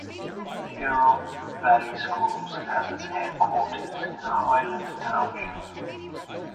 Huron Valley Schools has its headquarters in Highland Township.